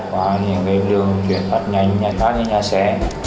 và những lương chuyển phát nhanh nhanh phát đến nhà xe